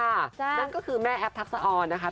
นั่นก็คือแม่แอฟทักษะออนนะคะ